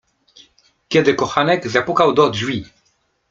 Kiedy kochanek zapukał do drzwi…